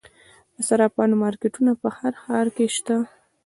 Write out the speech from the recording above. د صرافانو مارکیټونه په هر ښار کې شته